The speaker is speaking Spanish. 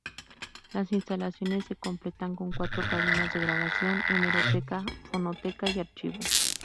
Las instalaciones se completan con cuatro cabinas de grabación, hemeroteca, fonoteca y archivo.